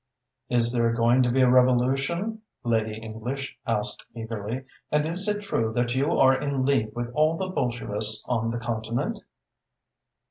"Is there going to be a revolution?" Lady English asked eagerly. "And is it true that you are in league with all the Bolshevists on the continent?"